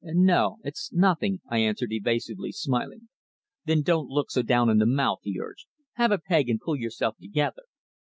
"No. It's nothing," I answered evasively, smiling. "Then don't look so down in the mouth," he urged. "Have a peg, and pull yourself together."